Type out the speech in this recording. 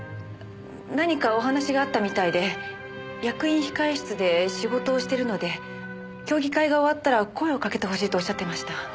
何かお話があったみたいで役員控室で仕事をしてるので競技会が終わったら声をかけてほしいと仰ってました。